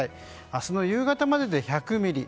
明日の夕方までで１００ミリ